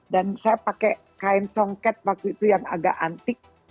dan saya pakai kain songket waktu itu yang agak antik